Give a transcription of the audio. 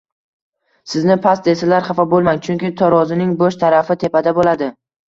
Sizni past desalar xafa boʻlmang, chunki tarozining boʻsh tarafi tepada boʻladi!